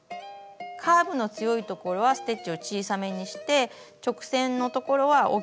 カーブの強いところはステッチを小さめにして直線のところは大きめにしてもいいですね。